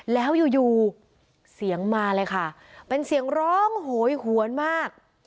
แล้วอยู่อยู่เสียงมาเลยค่ะเป็นเสียงร้องโหยหวนมาก